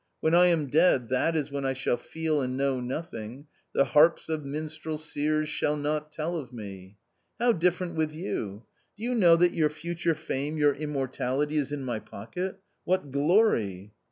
When I am dead, that is when I shall feel and know nothing, the harps of minstrel seers shall not tell of me. How different with you? do you know that your future fame, your immortality is in my pocket ?— what glory !